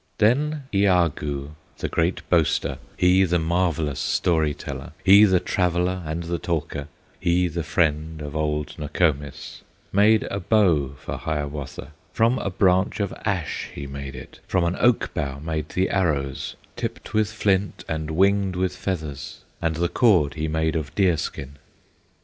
Then Iagoo, the great boaster, He the marvellous story teller, He the traveller and the talker, He the friend of old Nokomis, Made a bow for Hiawatha; From a branch of ash he made it, From an oak bough made the arrows, Tipped with flint, and winged with feathers, And the cord he made of deer skin.